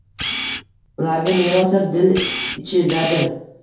Ularga merosdir – dil ichidadir.